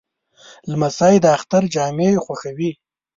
لمسی د اختر جامې خوښوي.